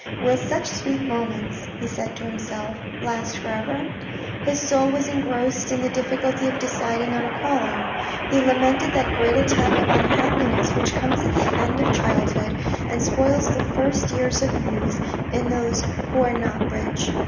" Will such sweet moments " he said to himself " last for ever ?" His soul was engrossed in the difficulty of deciding on a calling. He lamented that great attack of unhappiness which comes at the end of childhood and spoils the first years of youth in those who are not rich.